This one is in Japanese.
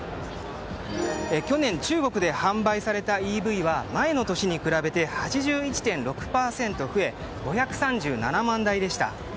去年、中国で販売されたＥＶは前の年に比べて８１．６％増え５３７万台でした。